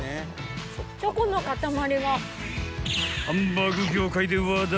ハンバーグ業界で話題。